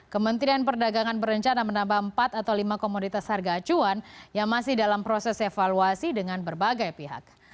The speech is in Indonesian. kementerian perdagangan berencana menambah empat atau lima komoditas harga acuan yang masih dalam proses evaluasi dengan berbagai pihak